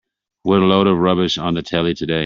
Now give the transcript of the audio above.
What a load of rubbish on the telly today.